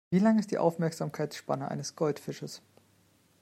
Wie lang ist die Aufmerksamkeitsspanne eines Goldfisches?